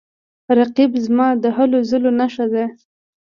رقیب زما د هلو ځلو نښه ده